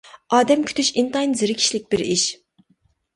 ئادەم كۈتۈش ئىنتايىن زېرىكىشلىك بىر ئىش.